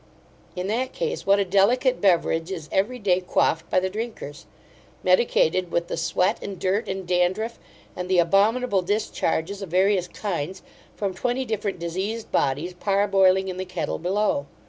In that case, what a delicate beveridge is every day quaffed by the drinkers; medicated with the sweat and dirt, and dandriff; and the abominable discharges of various kinds, from twenty different diseased bodies, parboiling in the kettle below.